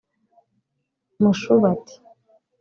Mushubati